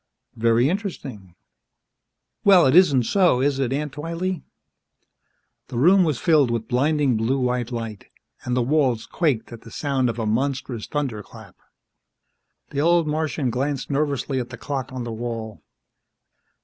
"Very interesting." "Well, it isn't so, is it, Aunt Twylee?" The room was filled with blinding blue white light, and the walls quaked at the sound of a monstrous thunderclap. The old Martian glanced nervously at the clock on the wall.